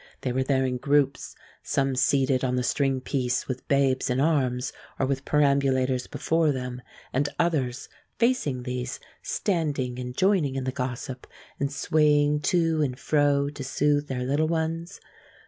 They were there in groups, some seated on the string piece with babes in arms or with perambulators before them, and others, facing these, standing and joining in the gossip, and swaying to and fro to soothe their little ones.